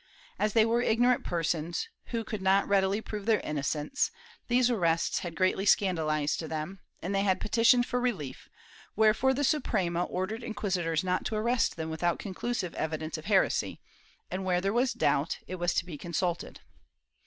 As they were ignorant persons, who could not readily prove their innocence, these arrests had greatly scan daUzed them, and they had petitioned for relief, wherefore the Suprema ordered inquisitors not to arrest them without conclusive evidence of heresy, and when there was doubt it was to be con sulted.